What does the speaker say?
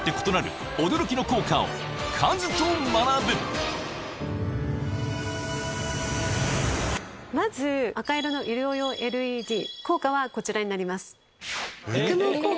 三菱電機まず赤色の医療用ＬＥＤ効果はこちらになります。